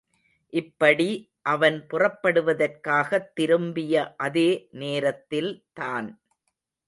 இப்படி அவன் புறப்படுவதற்காகத் திரும்பிய அதே நேரத்தில்தான்.